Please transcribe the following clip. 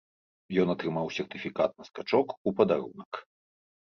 Ён атрымаў сертыфікат на скачок у падарунак.